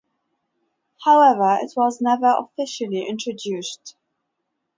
However, it was never officially introduced.